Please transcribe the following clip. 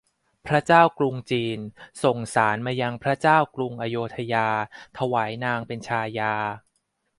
พระเจ้ากรุงจีนส่งสาสน์มายังพระเจ้ากรุงอโยธยาถวายนางเป็นชายา